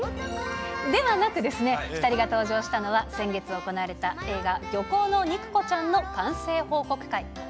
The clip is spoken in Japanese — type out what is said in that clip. ではなく、２人が登場したのは、先月行われた映画、漁港の肉子ちゃんの完成報告会。